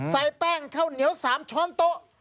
ใส่แป้งข้าวเหนียว๓ช้อนโต๊ะ